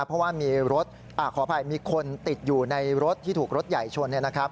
เพราะว่ามีรถขออภัยมีคนติดอยู่ในรถที่ถูกรถใหญ่ชนเนี่ยนะครับ